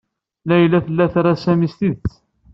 Layla tella tra Sami s tidet.